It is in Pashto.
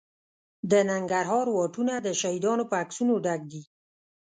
د ننګرهار واټونه د شهیدانو په عکسونو ډک دي.